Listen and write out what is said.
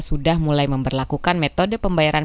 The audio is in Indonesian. sudah mulai memperlakukan metode pembayaran